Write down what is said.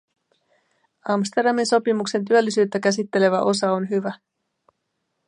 Amsterdamin sopimuksen työllisyyttä käsittelevä osa on hyvä.